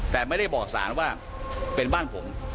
แต่ไม่ได้บอกสารว่าเป็นบ้านผม